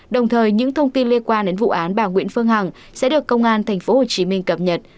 đồng thời những thông tin liên quan đến vụ án bà nguyễn phương hằng sẽ được công an thành phố hồ chí minh cập nhật